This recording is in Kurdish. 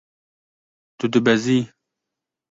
Tu dibezî.